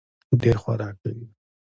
ډېر خورک کوي.